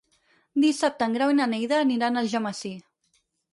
Dissabte en Grau i na Neida aniran a Algemesí.